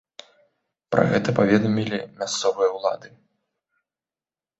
Пра гэта паведамілі мясцовыя ўлады.